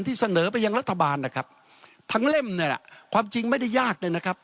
ที่เสนอไปยังรัฐบาลนะครับทั้งเล่มเนี่ยแหละความจริงไม่ได้ยากเลยนะครับ